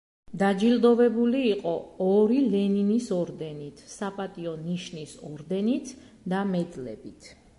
დაჯილდოვებული იყო ორი ლენინის ორდენით, „საპატიო ნიშნის“ ორდენით და მედლებით.